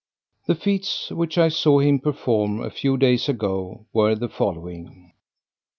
The feats which I saw him perform, a few days ago, were the following: 1.